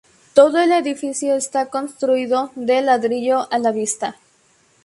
Todo el edificio está construido de ladrillo a la vista.